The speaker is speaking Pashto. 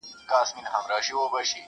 چي یې قبر د بابا ورته پېغور سو،